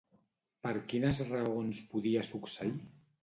Per quines raons podia succeir?